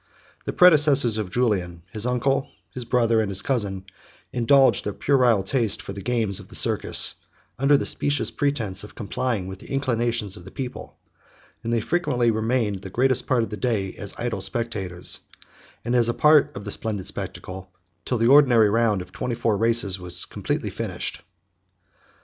The predecessors of Julian, his uncle, his brother, and his cousin, indulged their puerile taste for the games of the Circus, under the specious pretence of complying with the inclinations of the people; and they frequently remained the greatest part of the day as idle spectators, and as a part of the splendid spectacle, till the ordinary round of twenty four races 51 was completely finished.